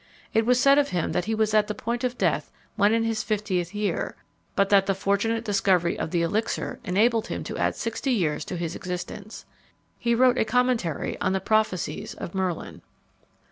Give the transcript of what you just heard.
It was said of him that he was at the point of death when in his fiftieth year, but that the fortunate discovery of the elixir enabled him to add sixty years to his existence. He wrote a commentary on the prophecies of Merlin.